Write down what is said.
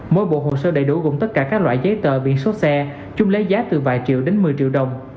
mỗi bộ hồ sơ đầy đủ gồm tất cả các loại giấy tờ biển số xe chung lấy giá từ vài triệu đến một mươi triệu đồng